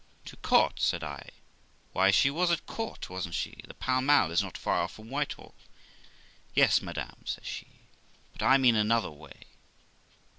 ' To court !' said I ;' why, she was at court, wasn't she ? the Pall Mall is not far from Whitehall.' 'Yes, madam', says she, 'but I mean another way.'